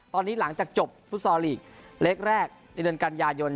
ตอนนี้หลังจากจบฟุตซอลลีกเล็กแรกในเดือนกันยายน